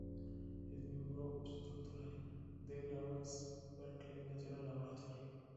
Es miembro posdoctoral de Lawrence Berkeley National Laboratory.